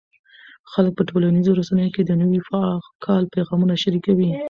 خلک په ټولنیزو رسنیو کې د نوي کال پیغامونه شریکوي.